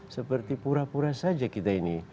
seperti pura pura saja kita ini